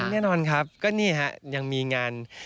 ไม่ทิ้งแน่นอนครับก็นี่ฮะยังมีงาน